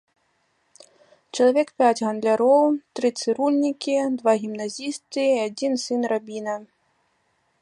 Чалавек пяць гандляроў, тры цырульнікі, два гімназісты і адзін сын рабіна.